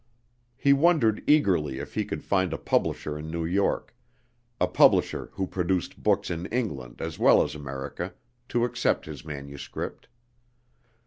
He wondered eagerly if he could find a publisher in New York a publisher who produced books in England as well as America to accept his manuscript.